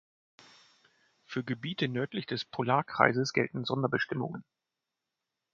Für Gebiete nördlich des Polarkreises gelten Sonderbestimmungen.